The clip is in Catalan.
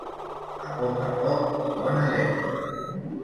A poc a poc i bona lletra.